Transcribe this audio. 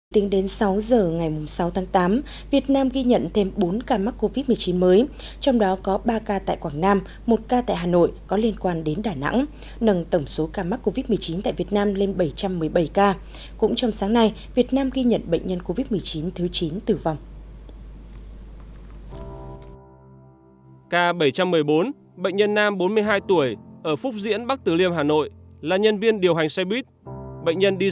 tính đến sáu h ngày sáu tháng tám việt nam ghi nhận thêm bốn ca mắc covid một mươi chín mới trong đó có ba ca tại quảng nam một ca tại hà nội có liên quan đến đà nẵng nâng tổng số ca mắc covid một mươi chín tại việt nam lên bảy trăm một mươi bảy ca